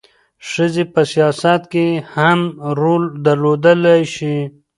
ښځې په سیاست کې هم رول درلودلی شي.